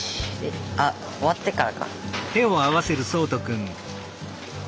あっ終わってからか。